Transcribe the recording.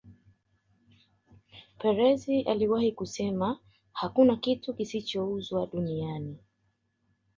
Perez aliwahi kusema hakuna kitu kisichouzwa duniani